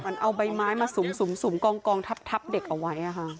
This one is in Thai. เอาใบไม้มาสุ่มกองทับเด็กเอาไว้